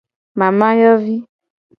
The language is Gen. Mamayovi.